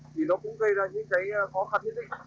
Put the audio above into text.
thì nó cũng gây ra những cái khó khăn nhất định